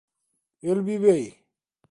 El vive aí?